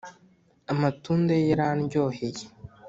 Amatunda ye yarandyoheye.